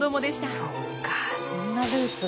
そっかそんなルーツが。